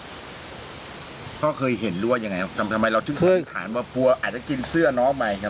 พ่อเคยเห็นรั่วยังไงทำไมเราถึงสร้างสารว่าปัวอาจจะกินเสื้อน้องไปครับ